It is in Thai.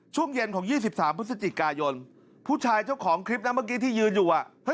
ช่วงเย็นของ๒๓พฤศจิกายนผู้ชายเจ้าของคลิปนะเมื่อกี้ที่ยืนอยู่อ่ะ